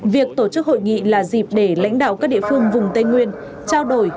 việc tổ chức hội nghị là dịp để lãnh đạo các địa phương vùng tây nguyên trao đổi